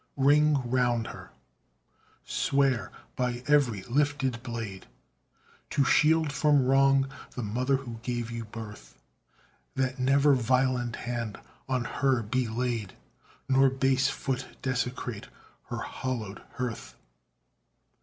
Ring round her! swear, by every lifted blade, To shield from wrong the mother who gave you birth; That never violent hand on her be laid, Nor base foot desecrate her hallowed hearth.